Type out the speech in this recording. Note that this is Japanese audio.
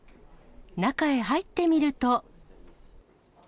中へ入ってみると。